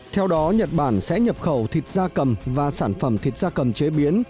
theo đó nhật bản sẽ nhập khẩu thịt gia cầm và sản phẩm thịt gia cầm chế biến